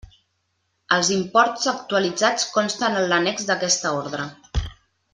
Els imports actualitzats consten en l'annex d'aquesta Ordre.